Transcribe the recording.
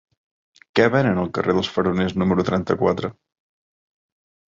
Què venen al carrer dels Faroners número trenta-quatre?